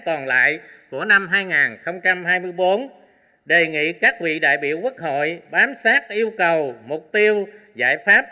còn lại của năm hai nghìn hai mươi bốn đề nghị các vị đại biểu quốc hội bám sát yêu cầu mục tiêu giải pháp